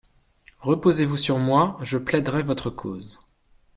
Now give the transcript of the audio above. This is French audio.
Reposez-vous sur moi, je plaiderai votre cause.